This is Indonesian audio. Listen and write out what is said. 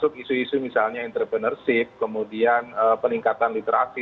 di isu misalnya entrepreneurship kemudian peningkatan literasi